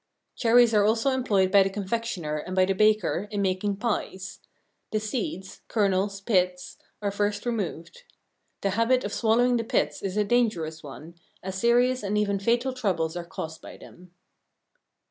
Cherries are also employed by the confectioner and by the baker in making pies. The seeds (kernels, pits) are first removed. The habit of swallowing the pits is a dangerous one, as serious and even fatal troubles are caused by them.